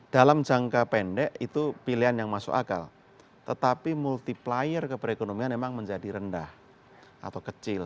dalam jangka pendek itu pilihan yang masuk akal tetapi multiplier ke perekonomian memang menjadi rendah atau kecil